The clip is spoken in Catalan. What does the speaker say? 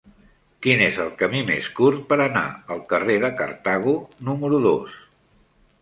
Quin és el camí més curt per anar al carrer de Cartago número dos?